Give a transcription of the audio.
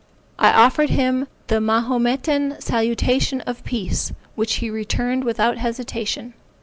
I offered him the Mahometan salutation of peace, which he returned without hesitation.